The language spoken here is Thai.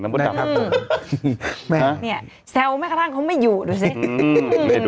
แซวไม่อยู่ดูสิ